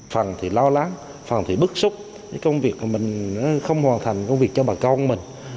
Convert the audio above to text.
phẳng thì lo lắng phẳng thì bức xúc công việc của mình không hoàn thành công việc cho bà con mình